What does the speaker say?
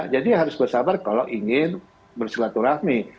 jadi harus bersabar kalau ingin bersilaturahmi